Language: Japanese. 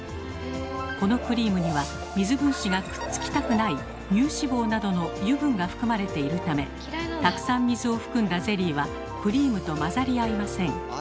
このクリームには水分子がくっつきたくない乳脂肪などの油分が含まれているためたくさん水を含んだゼリーはクリームと混ざり合いません。